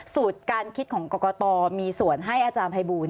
สูตรการคิดของกรกตมีส่วนให้อาจารย์ภัยบูล